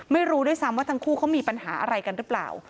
ไม่รู้ด้วยซ้ำว่าทั้งคู่เขามีปัญหาอะไรกันหรือเปล่า